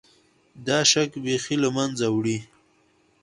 دا شک بیخي له منځه وړي.